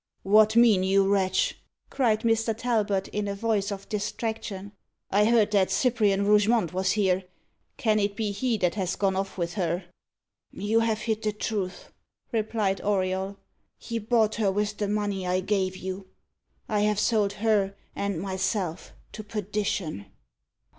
"What mean you, wretch?" cried Mr. Talbot, in a voice of distraction. "I heard that Cyprian Rougemont was here. Can it be he that has gone off with her?" "You have hit the truth," replied Auriol. "He bought her with the money I gave you. I have sold her and myself to perdition!"